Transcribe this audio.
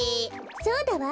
そうだわ！